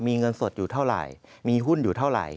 มีเงินสดอยู่เท่าไหร่มีหุ้นอยู่เท่าไหร่